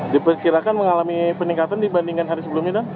diperkirakan mengalami peningkatan dibandingkan hari sebelumnya